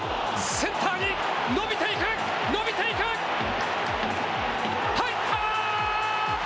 センターに伸びていく、伸びていく。